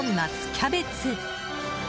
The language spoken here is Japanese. キャベツ。